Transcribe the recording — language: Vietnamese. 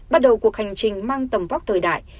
bắt đầu cuộc hành trình mang tầm vóc thời đại